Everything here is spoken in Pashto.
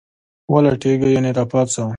ولټیږه ..یعنی را پاڅه